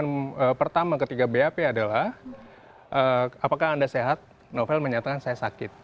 pertanyaan di statement pertama ketiga bap adalah apakah anda sehat novel menyatakan saya sakit